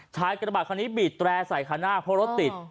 กระบาดคันนี้บีดแตร่ใส่คันหน้าเพราะรถติด